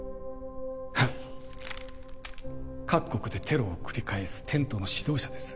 はい各国でテロを繰り返すテントの指導者です